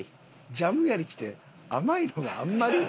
ジャム屋に来て「甘いのがあんまり」？